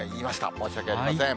申し訳ありません。